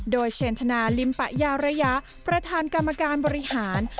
โดยเชนธนาลิมปะยาระยะประธานกรรมการบริหาร